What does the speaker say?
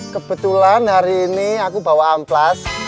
kebetulan hari ini aku bawa amplas